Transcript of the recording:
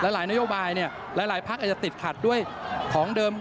หลายนโยบายหลายพักอาจจะติดขัดด้วยของเดิม